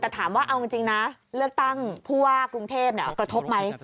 แต่ถามว่าเอาจริงนะเลือกตั้งผู้ว่ากรุงเทพกระทบไหม